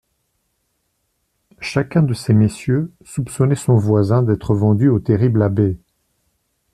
Chacun de ces messieurs soupçonnait son voisin d'être vendu au terrible abbé.